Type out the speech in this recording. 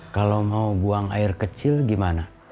kalau mau buang air kecil gimana